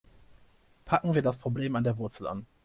Packen wir das Problem an der Wurzel an.